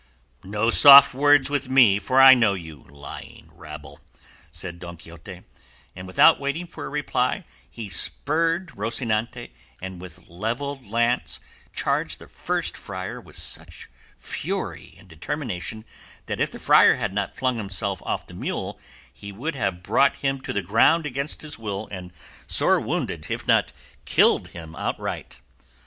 "No soft words with me, for I know you, lying rabble," said Don Quixote, and without waiting for a reply he spurred Rocinante and with levelled lance charged the first friar with such fury and determination, that, if the friar had not flung himself off the mule, he would have brought him to the ground against his will, and sore wounded, if not killed outright.